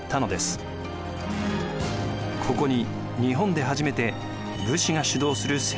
ここに日本で初めて武士が主導する政権が誕生しました。